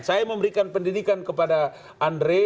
saya memberikan pendidikan kepada andre